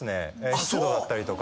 湿度だったりとか。